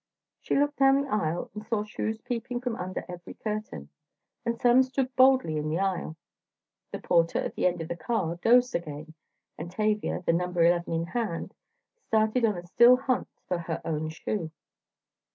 She looked down the aisle and saw shoes peeping from under every curtain, and some stood boldly in the aisle. The porter at the end of the car dozed again, and Tavia, the number eleven in hand, started on a still hunt for her own shoe.